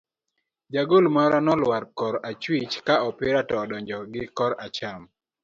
Jagol marwa nolwar korachwich, ka opira to odonjo gi koracham.